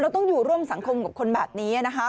ต้องอยู่ร่วมสังคมกับคนแบบนี้นะคะ